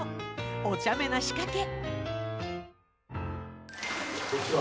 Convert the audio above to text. おちゃめな仕掛け。